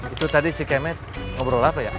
itu tadi si kemes ngobrol apa ya